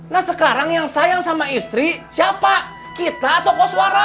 nah sekarang yang sayang sama istri siapa kita tokoh suara